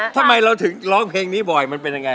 ทำไมเราถึงร้องเพลงนี้บ่อยมันเป็นยังไง